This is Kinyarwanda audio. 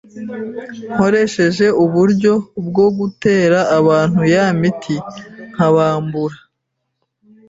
nkoresheje uburyo bwo gutera abantu ya miti nkabambura